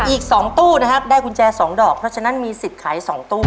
อีก๒ตู้นะครับได้กุญแจ๒ดอกเพราะฉะนั้นมีสิทธิ์ขาย๒ตู้